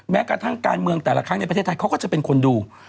แม้กระทั่งการเมืองแต่ละครั้งในประเทศไทยเขาก็จะเป็นคนดู